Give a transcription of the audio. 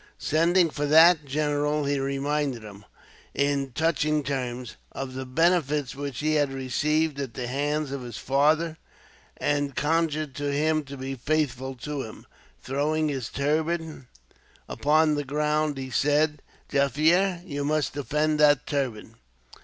Sending for that general he reminded him, in touching terms, of the benefits which he had received at the hands of his father; and conjured him to be faithful to him. Throwing his turban upon the ground, he said: "Jaffier, you must defend that turban."